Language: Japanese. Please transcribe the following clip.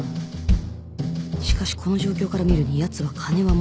「しかしこの状況から見るに奴は金は持っている」